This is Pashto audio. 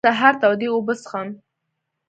زه د سهار تودې اوبه څښم.